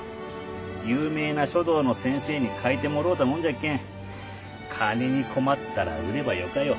有名な書道の先生に書いてもろうたもんじゃっけん金に困ったら売ればよかよ。